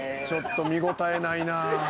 ちょっと見応えないなあ。